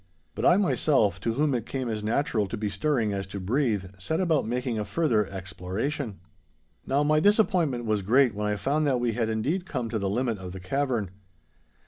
But I myself, to whom it came as natural to be stirring as to breathe, set about making a further exploration. Now my disappointment was great when I found that we had indeed come to the limit of the cavern.